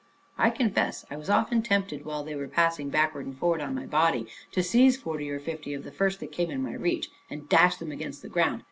_ I confess, I was often tempted, while they were passing backwards and forwards on my body, to seize forty or fifty of the first that came in my reach, and dash them against the ground.